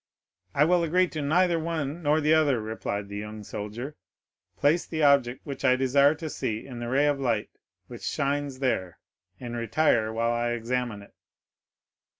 '—'I will agree to neither one nor the other,' replied the young soldier; 'place the object which I desire to see in the ray of light which shines there, and retire while I examine it.